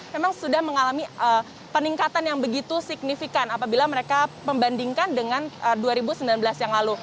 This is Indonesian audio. memang sudah mengalami peningkatan yang begitu signifikan apabila mereka membandingkan dengan dua ribu sembilan belas yang lalu